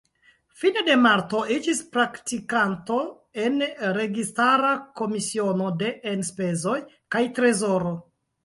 Fine de marto iĝis praktikanto en Registara Komisiono de Enspezoj kaj Trezoro.